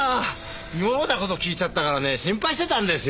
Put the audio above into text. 妙な事聞いちゃったからね心配してたんですよ。